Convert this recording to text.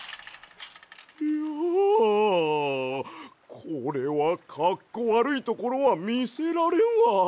ひゃこれはかっこわるいところはみせられんわ。